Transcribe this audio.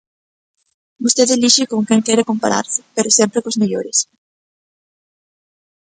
Vostede elixe con quen quere compararse, pero sempre cos mellores.